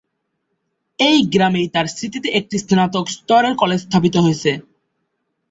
এই গ্রামেই তার স্মৃতিতে একটি স্নাতক স্তরের কলেজ স্থাপিত হয়েছে।